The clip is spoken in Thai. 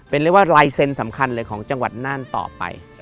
เป็นเรียกว่าลายเซ็นต์สำคัญเลยของจังหวัดน่านต่อไป